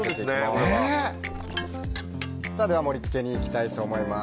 では、盛り付けにいきたいと思います。